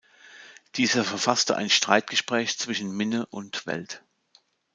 Dieser verfasste ein "Streitgespräch zwischen Minne und Welt".